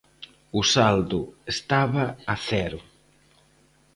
O saldo estaba a cero.